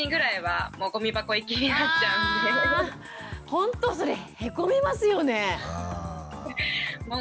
ほんとそれへこみますよね。